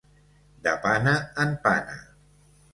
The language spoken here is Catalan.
De pana en pana.